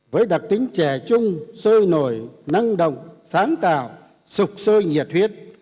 với đặc tính trẻ trung sôi nổi năng động sáng tạo sụp sôi nhiệt huyết